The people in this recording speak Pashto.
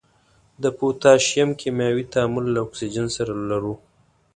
د پوتاشیم کیمیاوي تعامل له اکسیجن سره لرو.